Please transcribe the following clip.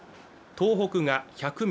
東北が１００ミリ